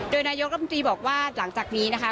โดยนายกรรมตรีบอกว่าหลังจากนี้นะคะ